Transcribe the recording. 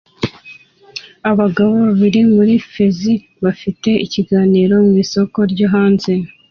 Abagabo babiri muri Fez bafite ikiganiro mwisoko ryo hanze